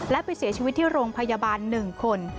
และไปเสียชีวิตที่โรงพยาบาล๑คน